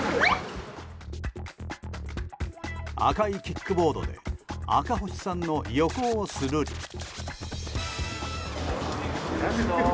赤いキックボードで赤星さんの横をスルリ。